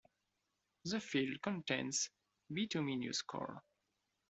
The field contains bituminous coal.